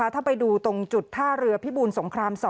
ถ้าไปดูตรงจุดท่าเรือพิบูลสงคราม๒